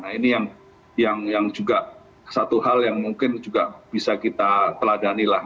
nah ini yang juga satu hal yang mungkin juga bisa kita teladani lah